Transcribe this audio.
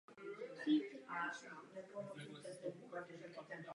Ke každému okruhu přísluší řada různých "modulů" a každý modul dokáže plnit řadu "funkcí".